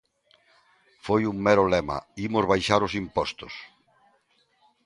Foi un mero lema: imos baixar os impostos.